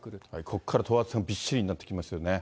ここから等圧線、びっしりになってきますよね。